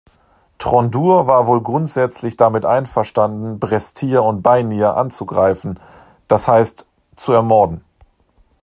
Tróndur war wohl grundsätzlich damit einverstanden, Brestir und Beinir anzugreifen, das heißt, zu ermorden.